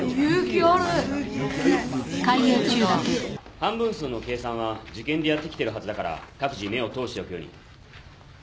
関分数の計算は受験でやってきてるはずだから各自目を通しておくように。